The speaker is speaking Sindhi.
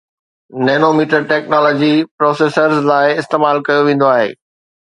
Nanometer ٽيڪنالاجي پروسيسرز لاء استعمال ڪيو ويندو آهي